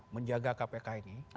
menjaga kpk ini